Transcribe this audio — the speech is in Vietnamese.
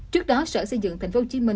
trước đó sở xây dựng tp hcm